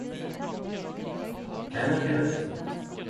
Kvar finn eg dette?